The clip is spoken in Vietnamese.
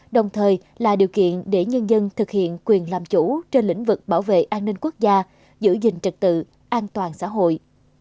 đồng thời là điều kiện để nhân dân thực hiện quyền làm chủ trên lĩnh vực bảo vệ an ninh quốc gia giữ gìn trật tự an toàn xã hội